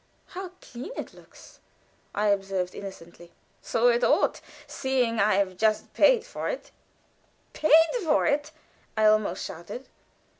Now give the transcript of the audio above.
"How clean it looks!" I observed, innocently. "So it ought, seeing that I have just paid for it." "Paid for it!" I almost shouted.